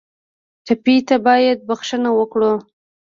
ټپي ته باید بښنه ورکړو.